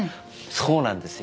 そうなんですよ。